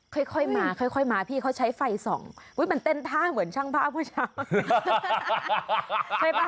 ค่อยมาพี่เขาใช้ไฟส่องมันเต้นท่าเหมือนช่างภาพเมื่อเช้า